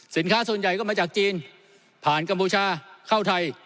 สินค้าส่วนใหญ่ก็มาจากจีนผ่านกัมพูชาเข้าไทย